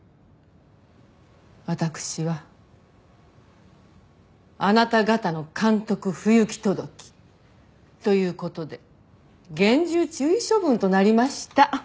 私はあなた方の監督不行き届きという事で厳重注意処分となりました。